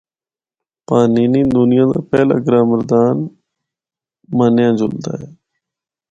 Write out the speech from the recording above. پانینی دُنیا دا پہلا گرامر دان منیا جُلدا ہے۔